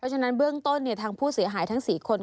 ฉะนั้นเบื้องต้นทางผู้เสียหายทั้ง๔คน